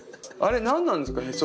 あれ何なんですか？